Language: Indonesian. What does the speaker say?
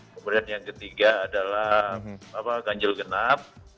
kemudian yang ketiga adalah ganjil genap